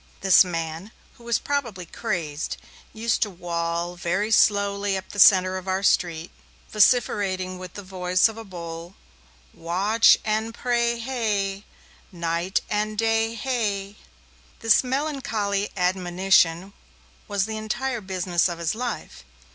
This man, who was probably crazed, used to wall very slowly up the centre of our street, vociferating with the voice of a bull, Wa a atch and pray hay! Night and day hay! This melancholy admonition was the entire business of his life.